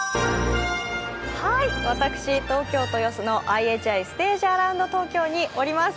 私、東京・豊洲のＩＨＩステージアラウンド東京におります。